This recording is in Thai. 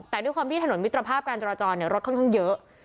แต่ด้วยความที่ถนนมิตรภาพการจราจรรถค่อนข้างเยอะ